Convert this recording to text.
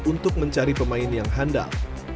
untuk mencari pemain yang handal